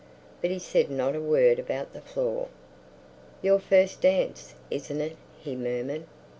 But he said not a word about the floor. "Your first dance, isn't it?" he murmured.